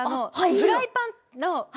フライパン。